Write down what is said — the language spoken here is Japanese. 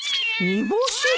煮干し？